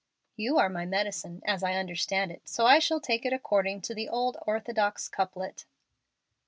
"You are my medicine, as I understand it, so I shall take it according to the old orthodox couplet."